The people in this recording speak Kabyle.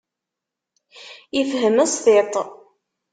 Ifhem s tiṭ.